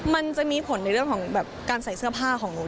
มันจะมีผลในเรื่องของแบบการใส่เสื้อผ้าของหนู